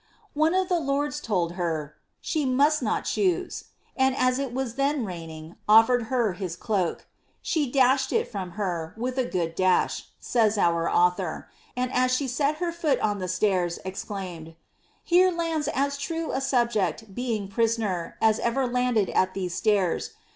One of the lords told her ^she must not choose,^^ and as it was then raining, o^red her his cloak. ^ She dashed it from her, with a good dash," says our author,* and as she set her foot on the stairs, exclaimed, ^ Here lands as true a subject, being prisoneri as ever landed at these stairs.